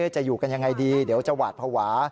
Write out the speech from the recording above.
จะอยู่กันยังไงดีเดี๋ยวจะหวาดภาวะ